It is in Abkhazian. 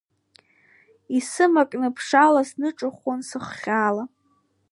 Исымакны аԥшалас, наҿыхәон сыххьала!